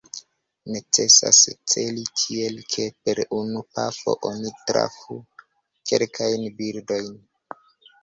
Necesas celi tiel, ke per unu pafo oni trafu kelkajn birdojn.